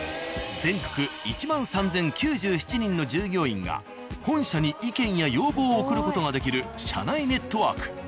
全国１万３０９７人の従業員が本社に意見や要望を送る事ができる社内ネットワーク。